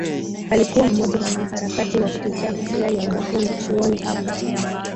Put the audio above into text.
Alikuwa mmoja wa wanaharakati wa kutetea maslahi ya wanafunzi chuoni hapo